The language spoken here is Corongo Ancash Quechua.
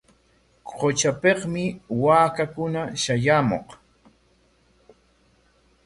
Qutrapikmi waakakuna shayaamuq.